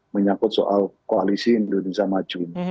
menyangkut soal koalisi indonesia maju ini